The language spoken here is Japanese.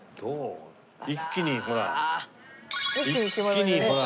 一気にほら。